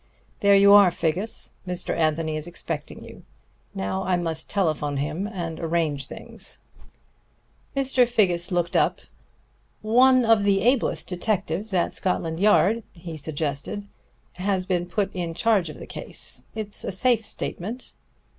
There you are, Figgis. Mr. Anthony is expecting you. Now I must telephone him and arrange things." Mr. Figgis looked up. "One of the ablest detectives at Scotland Yard," he suggested, "has been put in charge of the case. It's a safe statement."